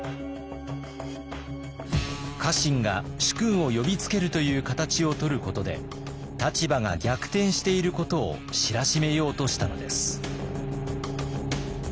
家臣が主君を呼びつけるという形をとることで立場が逆転していることを知らしめようとしたのです。